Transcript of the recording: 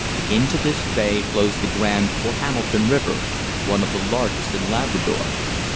Into this bay flows the Grand or Hamilton River, one of the largest in Labrador.